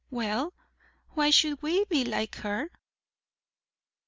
"Well, why should we be like her?"